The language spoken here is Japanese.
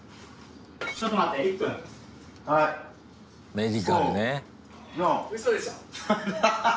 メディカルね。